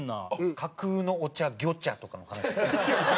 架空のお茶魚茶とかの話ですか？